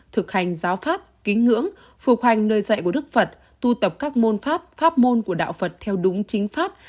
thực hành giáo pháp ký ngưỡng phục hành nơi dạy của đức phật tu tập các môn pháp pháp môn của đạo phật theo đúng chính pháp